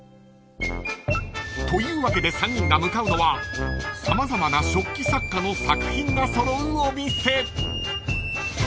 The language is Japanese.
というわけで３人が向かうのは様々な食器作家の作品が揃うお店］